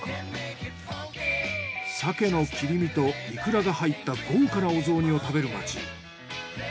鮭の切り身といくらが入った豪華なお雑煮を食べる町。